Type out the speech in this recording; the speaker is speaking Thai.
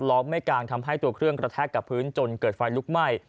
ล้อมไม่กลางทำให้ตัวเครื่องกระแทกกับพื้นจนเกิดไฟลุกไหม้